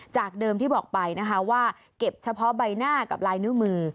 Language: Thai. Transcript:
จากเดิมที่บอกไปนะคะว่าเก็บเฉพาะใบหน้ากับลายนิ้วมือ